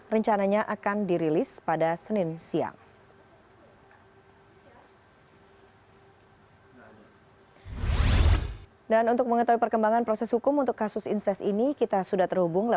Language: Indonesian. rencananya akan dirilis pada senin siang